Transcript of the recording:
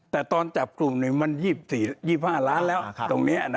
แต่ตอนจับกลุ่มมัน๒๕ล้านแล้วตรงนี้